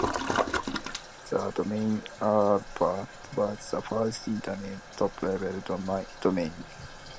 The domain arpa was the first Internet top-level domain.